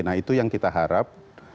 nah itu yang kita harap